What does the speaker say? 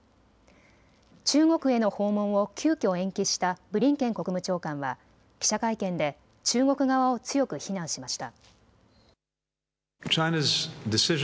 中国への訪問を急きょ延期したブリンケン国務長官は記者会見で中国側を強く非難しました。